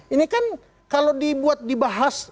ini kan kalau dibuat dibahas